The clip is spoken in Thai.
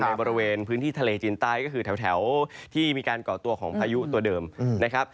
บริเวณพื้นที่ทะเลจีนใต้ก็คือแถวที่มีการก่อตัวของพายุตัวเดิมนะครับ